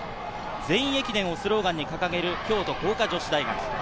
「全員駅伝」をスローガンに掲げる京都光華女子大学。